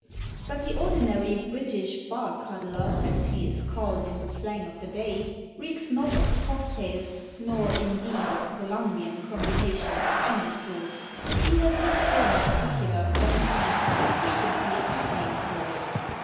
But the ordinary British "bar cuddler" as he is called in the slang of the day recks not of cocktails, nor, indeed, of Columbian combinations of any sort. He has his own particular "vanity," and frequently a pet name for it.